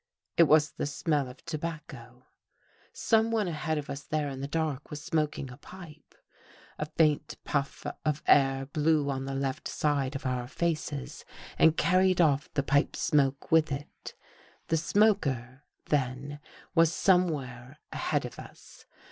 It was the smell of tobacco. Someone ahead of us there in the dark was smoking 213 THE GHOST GIRL a pipe. A faint puff of air blew on the left side of our faces and carried off the pipe smoke with i it. The smoker, then, was somewhere ahead of us.